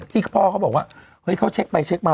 ที่พ่อเขาบอกว่าเฮ้ยเขาเช็คไปเช็คมา